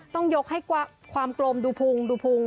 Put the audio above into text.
ต้องยกให้ความกลมดูพุงดูพุง